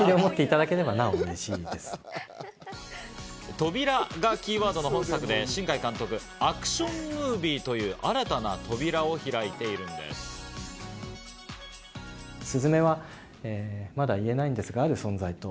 「扉」がキーワードの本作で、新海監督、アクションムービーという新たな扉を開いているんです。